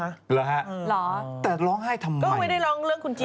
เหรอฮะเหรอแต่ร้องไห้ทำไมก็ไม่ได้ร้องเรื่องคุณจิ๊